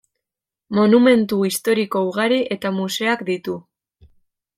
Monumentu historiko ugari eta museoak ditu.